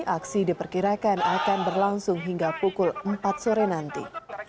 aksi diperkirakan akan berlangsung hingga pukul empat sore nanti